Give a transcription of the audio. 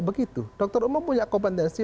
begitu dokter umum punya kompetensi